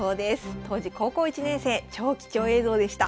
当時高校１年生超貴重映像でした。